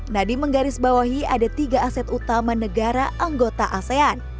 nadiem menggarisbawahi ada tiga aset utama negara anggota asean